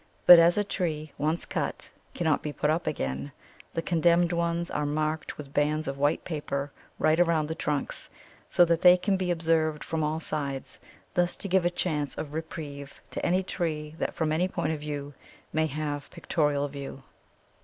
But as a tree once cut cannot be put up again, the condemned ones are marked with bands of white paper right round the trunks, so that they can be observed from all sides, thus to give a chance of reprieve to any tree that from any point of view may have pictorial value.